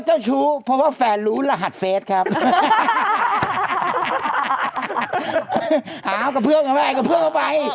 เกี้ยวกันเลยกันเลย